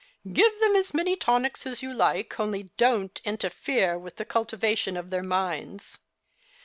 " Give them as many tonics as you like ; only don't interfere with the cultivation of their minds."